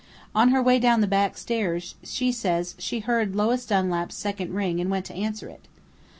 On her way down the backstairs she says she heard Lois Dunlap's second ring and went to answer it.